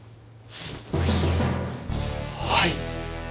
はい。